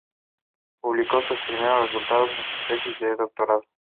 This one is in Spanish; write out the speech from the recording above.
Publicó sus primeros resultados, en su tesis de doctorado.